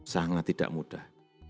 sangat tidak mudah